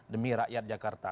demi rakyat jakarta